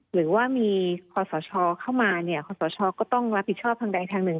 หรือว่ามีธศชเข้ามาธศชก็ต้องรับผิดชอบขณะใดทางหนึ่ง